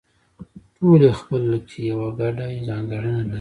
ټول یې خپله کې یوه ګډه ځانګړنه لري